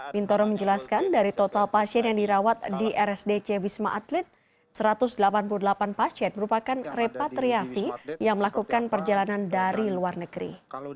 mintoro menjelaskan dari total pasien yang dirawat di rsdc wisma atlet satu ratus delapan puluh delapan pasien merupakan repatriasi yang melakukan perjalanan dari luar negeri